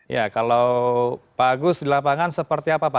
ya kalau pak agus di lapangan seperti apa pak